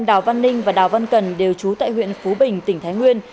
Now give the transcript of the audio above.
đào văn ninh và đào văn cần đều trú tại huyện phú bình tỉnh thái nguyên